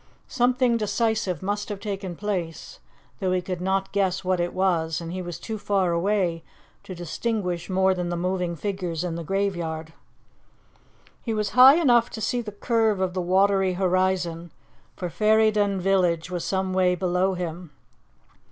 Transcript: Something decisive must have taken place, though he could not guess what it was, and he was too far away to distinguish more than the moving figures in the graveyard. He was high enough to see the curve of the watery horizon, for Ferryden village was some way below him.